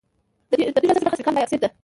د تیږو اساسي برخه سلیکان ډای اکسايډ ده.